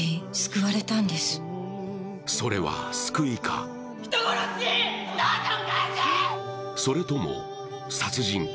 それは救いかそれとも殺人か。